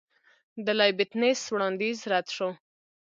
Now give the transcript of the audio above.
د لایبینټس وړاندیز رد شو.